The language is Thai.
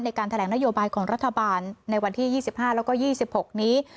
ในการแถลงนโยบายของรัฐบาลในวันที่๒๕แล้วก็๒๖นี้